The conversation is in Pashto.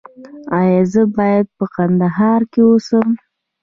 ایا زه باید په کندهار کې اوسم؟